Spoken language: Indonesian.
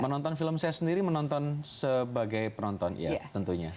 menonton film saya sendiri menonton sebagai penonton ya tentunya